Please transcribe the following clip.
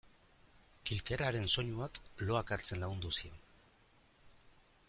Kilkerraren soinuak loak hartzen lagundu zion.